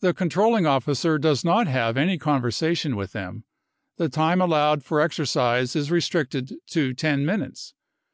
The controlling officer does not have any conversation with them. The time allowed for exer cise is restricted to ten minutes.